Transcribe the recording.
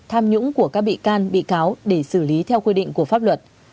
tham nhũng của các bị can bị cáo để xử lý theo quy định của pháp luật